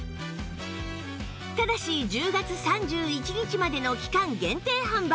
ただし１０月３１日までの期間限定販売